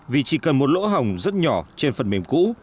vì chỉ cần một lỗ hỏng rất nhỏ trên phần mềm cũ